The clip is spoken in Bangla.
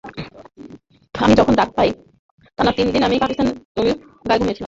আমি যখন ডাক পাই, টানা তিন দিন আমি পাকিস্তানের জার্সি গায়ে ঘুমিয়েছিলাম।